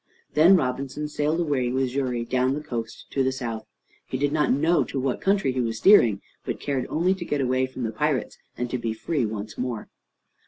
Then Robinson sailed away with Xury down the coast to the south. He did not know to what country he was steering, but cared only to get away from the pirates, and to be free once more.